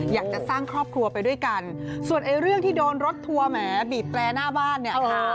อยากจะสร้างครอบครัวไปด้วยกันส่วนไอ้เรื่องที่โดนรถทัวร์แหมบีบแตรหน้าบ้านเนี่ย